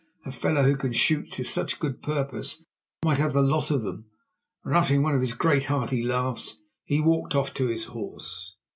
A fellow who can shoot to such good purpose might have the lot of them"; and uttering one of his great, hearty laughs, he walked off to his horse.